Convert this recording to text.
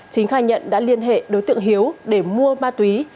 chính khai nhận đã liên hệ đối tượng hiếu để mua ma túy